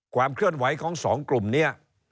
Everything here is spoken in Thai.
เคลื่อนไหวของสองกลุ่มเนี่ย